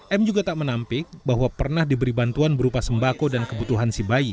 m juga tak menampik bahwa pernah diberi bantuan berupa sembako dan kebutuhan si bayi